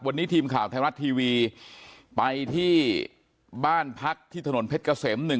วันนี้ทีมข่าวไทยรัฐทีวีไปที่บ้านพักที่ถนนเพชรเกษมหนึ่ง